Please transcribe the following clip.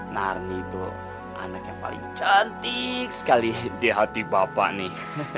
narni tuh anak yang paling cantik sekali di hati bapak nih